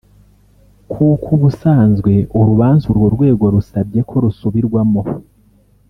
kuko ubusanzwe urubanza urwo rwego rusabye ko rusubirwamo